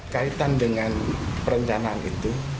kaitan dengan perencanaan itu